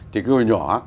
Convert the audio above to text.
thì cái hồi nhỏ